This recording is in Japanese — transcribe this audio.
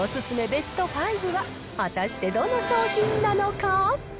ベスト５は、果たしてどの商品なのか。